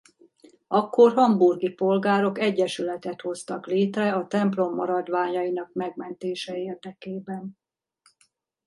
Akkor hamburgi polgárok egyesületet hoztak létre a templom maradványainak megmentése érdekében.